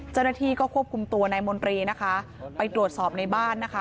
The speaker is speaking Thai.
เจ้าหน้าที่ก็ควบคุมตัวนายมนตรีนะคะไปตรวจสอบในบ้านนะคะ